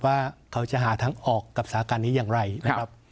ว่าเขาจะหาทางออกกับสาการนี้อย่างไรนะครับ